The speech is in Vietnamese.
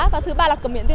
và thứ ba là cầm cá